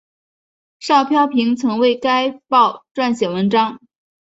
邵飘萍曾为该报撰写文章。